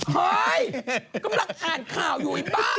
เฮ้ยก็แม้ละอ่านข่าวอยู่ไอ้บ้าอะไรยัง